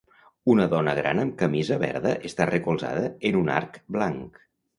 Una dona gran amb camisa verda està recolzada en un arc blanc.